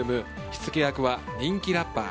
火付け役は人気ラッパー。